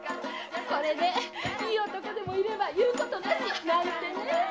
これでイイ男でもいれば言うことなし！なんてね。